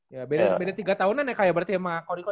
ya beda tiga tahunan ya kak ya berarti sama kak rico ya